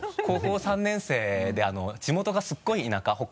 高校３年生で地元がすごい田舎。